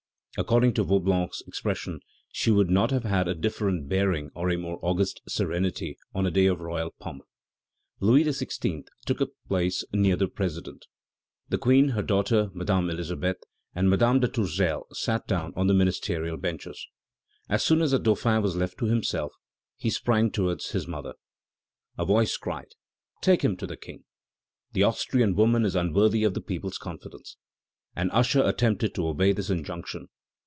According to Vaublanc's expression, she would not have had a different bearing or a more august serenity on a day of royal pomp. Louis XVI. took a place near the president. The Queen, her daughter, Madame Elisabeth, and Madame de Tourzel sat down on the ministerial benches. As soon as the Dauphin was left to himself, he sprang towards his mother. A voice cried: "Take him to the King! The Austrian woman is unworthy of the people's confidence." An usher attempted to obey this injunction.